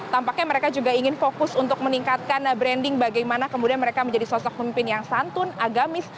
tampaknya mereka juga ingin fokus untuk meningkatkan branding bagaimana kemudian mereka menjadi sosok pemimpin yang santun agamis